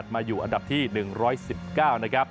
มาอยู่อันดับที่๑๑๙นะครับ